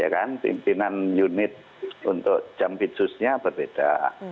ya kan pimpinan unit untuk jambit susnya berbeda